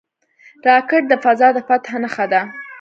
راکټ د فضا د فتح نښه ده